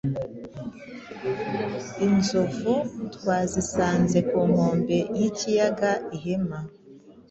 Inzovu twazisanze ku nkombe y’ikiyaga Ihema